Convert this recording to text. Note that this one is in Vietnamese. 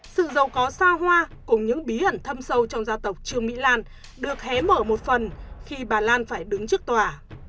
sự giàu có xa hoa cùng những bí ẩn thâm sâu trong gia tộc trương mỹ lan được hé mở một phần khi bà lan phải đứng trước tòa